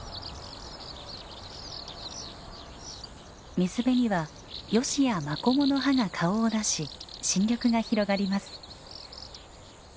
水辺にはヨシやマコモの葉が顔を出し新緑が広がります。